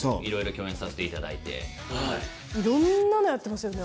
いろんなのやってますよね